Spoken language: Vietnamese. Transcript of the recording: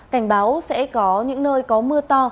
cảnh báo sẽ có những nơi có mưa to